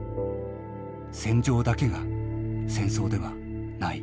戦場だけが戦争ではない。